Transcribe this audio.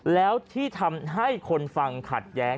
แล้วที่ทำให้คนฟังขัดแย้ง